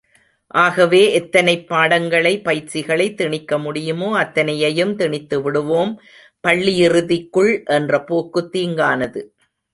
ஆகவே எத்தனைப் பாடங்களை, பயிற்சிகளை திணிக்க முடியுமோ அத்தனையையும் திணித்து விடுவோம் பள்ளியிறுதிக்குள் என்ற போக்கு தீங்கானது.